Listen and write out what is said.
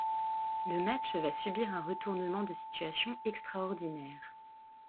Le match va subir un retournement de situation extraordinaire.